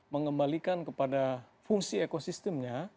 mengembalikan kepada fungsi ekosistemnya